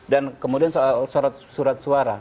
kemudian soal surat suara